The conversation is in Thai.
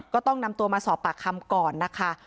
ก็ต้องนำตัวมาสอบปากคำก่อนนะคะ